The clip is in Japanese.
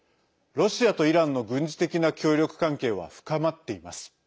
ロシアとイランの、軍事的な協力関係は深まっています。